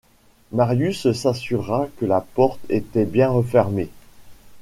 Marius s’assura que la porte était bien refermée.